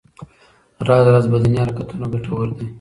راز راز بدني حرکتونه ګټور دي.